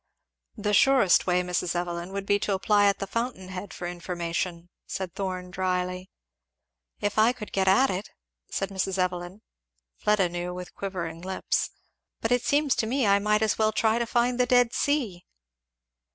"The surest way, Mrs. Evelyn, would be to apply at the fountain head for information," said Thorn dryly. "If I could get at it," said Mrs. Evelyn, (Fleda knew with quivering lips,) "but it seems to me I might as well try to find the Dead Sea!"